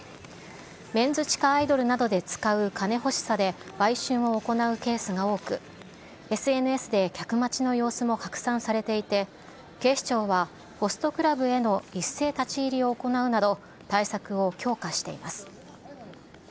メンズ地下アイドルなどで使う金欲しさで売春を行うケースが多く、ＳＮＳで客待ちの様子も拡散されていて、警視庁はホストクラブへの一斉立ち入りを行うなど、対策を強化しています。